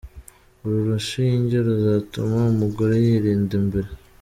Uru rushinge ruzatuma umugore yirinda mbere.